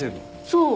そう。